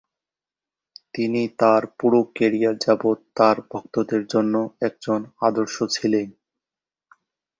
তিনি তার পুরো ক্যারিয়ার যাবত তার ভক্তদের জন্য একজন আদর্শ ছিলেন।